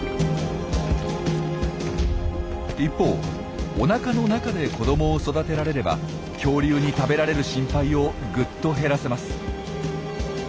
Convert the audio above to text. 一方おなかの中で子どもを育てられれば恐竜に食べられる心配をぐっと減らせます。